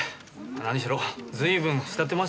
何しろ随分慕ってましたからね。